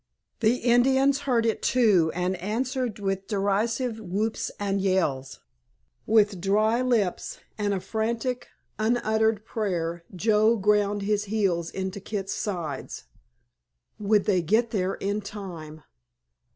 The Indians heard it, too, and answered with derisive whoops and yells. With dry lips and a frantic unuttered prayer Joe ground his heels into Kit's sides. _Would they get there in time?